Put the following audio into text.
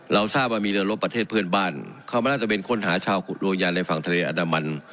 เราทราบว่ามีเรือรถประเทศเพื่อนบ้านเขาไม่น่าจะเป็นคนหาชาวโรงยานในฝั่งทะเลอาตะมัน